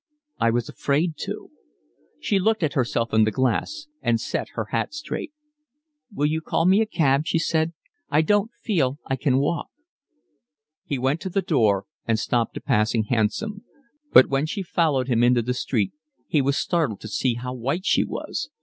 "I was afraid to." She looked at herself in the glass and set her hat straight. "Will you call me a cab," she said. "I don't feel I can walk." He went to the door and stopped a passing hansom; but when she followed him into the street he was startled to see how white she was.